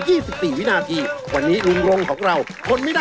ก้าวมังนาค่ะ